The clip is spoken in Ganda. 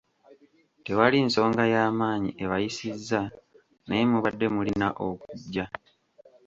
Tewali nsonga y'amaanyi ebayisizza naye mubadde mulina okujja.